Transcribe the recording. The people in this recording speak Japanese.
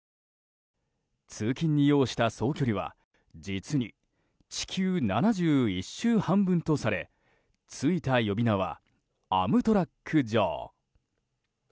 通勤に要した総距離は実に地球７１周半分とされついた呼び名はアムトラック・ジョー。